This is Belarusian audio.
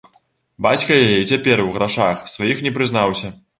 Бацька яе і цяпер у грашах сваіх не прызнаўся.